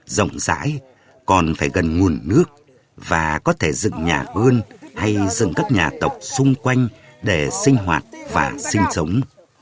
rộng rãi còn phải gần nguồn nước và có thể dựng nhà gươn hay dựng các nhà tộc xung quanh để sinh hoạt và sinh sống